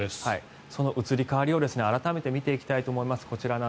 その移り変わりを改めて見ていきたいと思います。